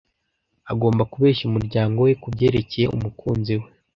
Agomba kubeshya umuryango we kubyerekeye umukunzi we.